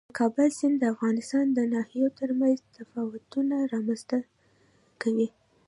د کابل سیند د افغانستان د ناحیو ترمنځ تفاوتونه رامنځ ته کوي.